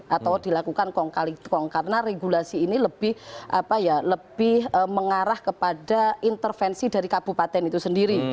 atau dilakukan kong kali kong karena regulasi ini lebih mengarah kepada intervensi dari kabupaten itu sendiri